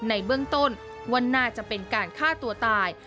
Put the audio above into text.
ในเบื้องต้นว่าน่าจะเป็นการฆ่าตัวตาย